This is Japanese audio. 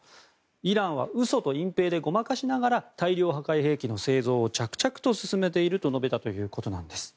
イランは嘘と隠ぺいでごまかしながら大量破壊兵器の製造を着々と進めていると述べたということなんです。